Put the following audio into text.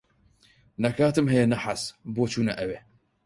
نە کاتم ھەیە نە حەز، بۆ چوونە ئەوێ.